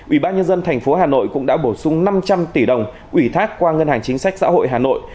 ủy ban nhân dân tp hà nội cũng đã bổ sung năm trăm linh tỷ đồng ủy thác qua ngân hàng chính sách xã hội hà nội